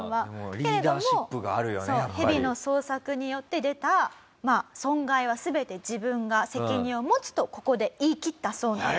けれどもヘビの捜索によって出た損害は全て自分が責任を持つとここで言い切ったそうなんです。